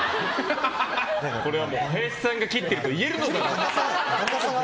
これは林さんが切ってると言えるのか。